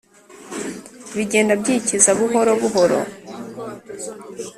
bigenda byikiza buhoro buhoro.